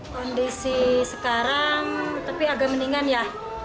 kondisi sekarang tapi agak mendingan ya